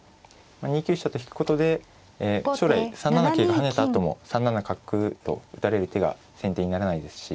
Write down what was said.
２九飛車と引くことで将来３七桂が跳ねたあとも３七角と打たれる手が先手にならないですし。